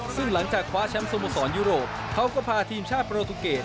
ซึ่งหลังจากคว้าแชมป์สโมสรยุโรปเขาก็พาทีมชาติโปรตูเกต